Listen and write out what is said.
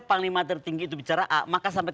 panglima tertinggi itu bicara a maka sampai